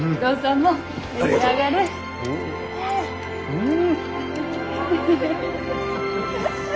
うん。